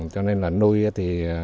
cho nên là nuôi thì